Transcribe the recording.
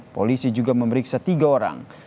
polisi juga memeriksa tiga orang